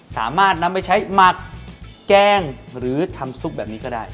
สามารถนำไปใช้หมักแกล้งหรือทำซุปแบบนี้ก็ได้